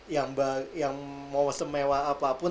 yang mau semewah apapun